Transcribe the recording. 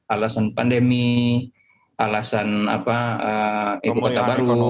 alasan pandemi alasan ibu kota baru